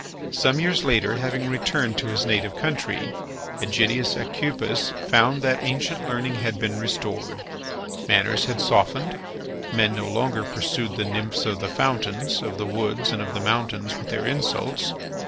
Some years later, having returned to his native country, Ægidius Aucupis found that ancient learning had been restored. Manners had softened. Men no longer pursued the nymphs of the fountains, of the woods, and of the mountains with their insults.